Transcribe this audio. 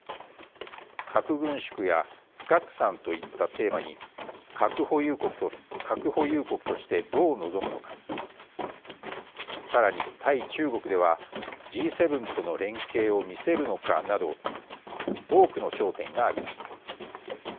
核軍縮や不拡散といったテーマに核保有国としてどう臨むのかさらに、対中国ではＧ７との連携を見せるのかなど多くの焦点があります。